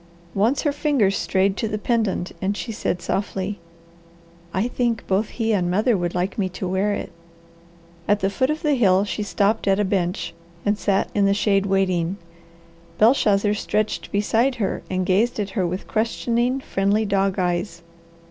Once her fingers strayed to the pendant and she said softly, "I think both he and mother would like me to wear it." At the foot of the hill she stopped at a bench and sat in the shade waiting. Belshazzar stretched beside her, and gazed at her with questioning, friendly dog eyes.